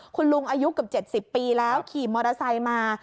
คุณลุงอายุเกือบ๗๐ปีแล้วขี่มอเตอร์ไซค์มา